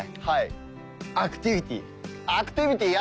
はい。